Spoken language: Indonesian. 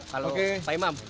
kalau pak imam